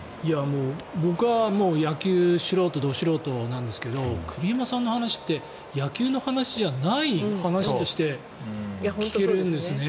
僕は野球素人ド素人なんですけど栗山さんの話って野球の話じゃない話として聞けるんですね。